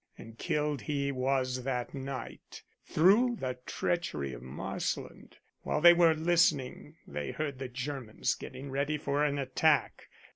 And killed he was that night through the treachery of Marsland. While they were listening they heard the Germans getting ready for an attack.